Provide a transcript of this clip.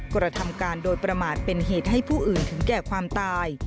กระทำการโดยประมาทเป็นเหตุให้ผู้อื่นถึงแก่ความตาย